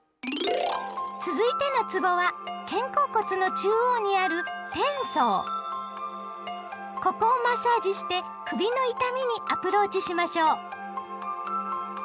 続いてのつぼは肩甲骨の中央にあるここをマッサージして首の痛みにアプローチしましょう。